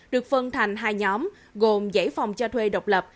được phân thành hai nhóm gồm giải phòng cho thuê độc lập